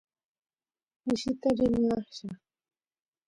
mishita rini aqlla